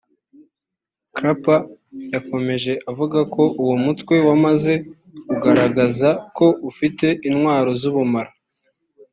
Clapper yakomeje avuga ko uwo mutwe wamaze kugaragaza ko ufite intwaro z’ubumara